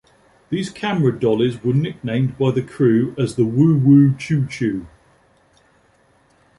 These camera dollies were nicknamed by the crew as "the Woo-Woo Choo-Choo".